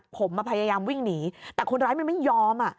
ผมมาพยายามวิ่งหนีแต่คนร้ายมันไม่ยอม